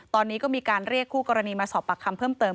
ตอนนี้ก็มีการเรียกคู่กรณีมาสอบปากคำเพิ่มเติม